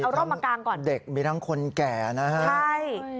เอาร่มมากางก่อนเด็กมีทั้งคนแก่นะฮะใช่